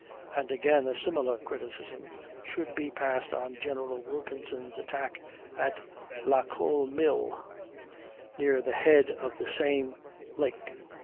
And, again, a similar criticism should be passed on General Wilkinson's attack on La Colle Mill, near the head of the same lake.